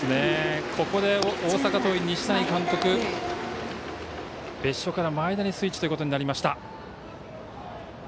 ここで大阪桐蔭、西谷監督別所から前田にスイッチということになりました。